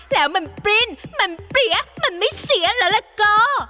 แล้วมันปริ้นมันเปรี้ยมันไม่เสียแล้วละโก